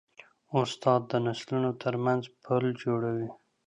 استاد د نسلونو ترمنځ پل جوړوي.